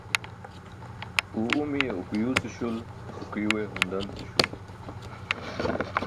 Uw umiye okuiy ce śul, okuiye hun dan ce śul.